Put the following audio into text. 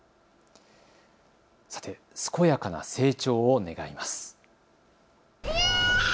さて、健やかな成長を願います。